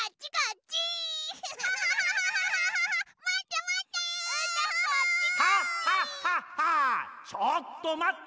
ちょっとまった！